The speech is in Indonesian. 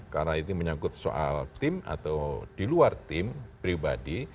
karena itu menyangkut soal tim atau di luar tim pribadi